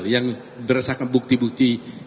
yang berdasarkan bukti bukti